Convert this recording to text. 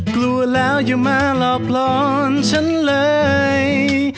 กลัวแล้วอย่ามาหลอกร้อนฉันเลย